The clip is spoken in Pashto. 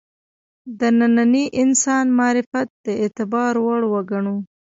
د ننني انسان معرفت د اعتبار وړ وګڼو.